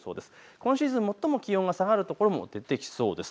今シーズン最も気温が下がる所も出てきそうです。